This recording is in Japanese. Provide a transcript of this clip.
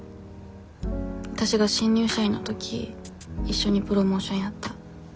わたしが新入社員の時一緒にプロモーションやった。